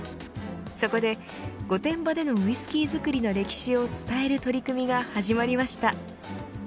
そこで、御殿場でのウイスキー造りの歴史を伝える取り組みが始まりました。